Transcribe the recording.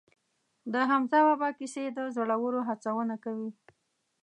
د حمزه بابا کیسې د زړورو هڅونه کوي.